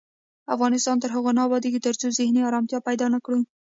افغانستان تر هغو نه ابادیږي، ترڅو ذهني ارامتیا پیدا نکړو.